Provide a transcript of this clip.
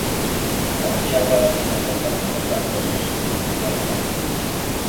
A baixar tal aplicación para facer tal cousa segundo un modelo dado.